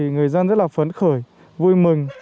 người dân rất là phấn khởi vui mừng